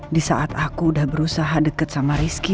di saat aku udah berusaha deket sama rizky